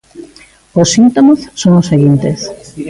Os síntomas son os seguintes.